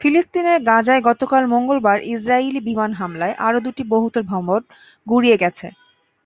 ফিলিস্তিনের গাজায় গতকাল মঙ্গলবার ইসরায়েলি বিমান হামলায় আরও দুটি বহুতল ভবন গুঁড়িয়ে গেছে।